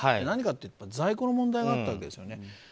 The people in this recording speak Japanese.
何かというと在庫の問題があったわけですよね。